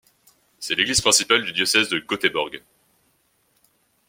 C'est l'église principale du diocèse de Göteborg.